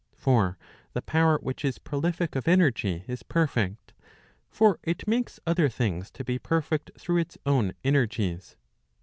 For the power which is prolific of energy is perfect. For it makes other things to be perfect through its own energies.